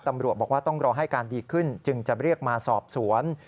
ตำรวจบอกว่าต้องรอให้การดีขึ้นจึงจะเรียกมาสอบสวน